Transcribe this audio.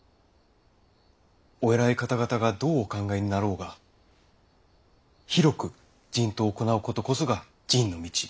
お偉い方々がどうお考えになろうが広く人痘を行うことこそが仁の道。